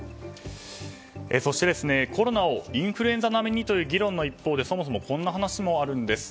そして、コロナをインフルエンザ並にという議論の一方でそもそもこんな話もあるんです。